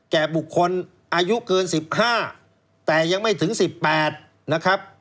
แก่บุคคลอายุเกิน๑๕แต่ยังไม่ถึง๑๘นะครับ